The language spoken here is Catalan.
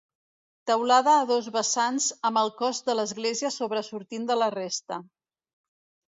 Teulada a dos vessants, amb el cos de l'església sobresortint de la resta.